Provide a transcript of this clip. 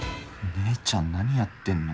姉ちゃん何やってんの？